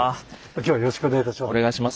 今日はよろしくお願いいたします。